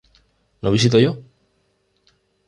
¿no visito yo?